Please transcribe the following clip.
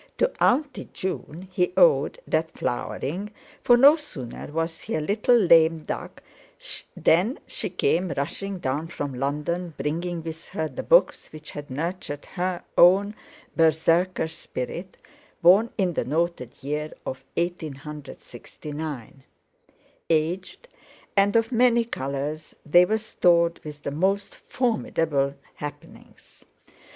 To "Auntie" June he owed that flowering, for no sooner was he a little lame duck than she came rushing down from London, bringing with her the books which had nurtured her own Berserker spirit, born in the noted year of 1869. Aged, and of many colours, they were stored with the most formidable happenings.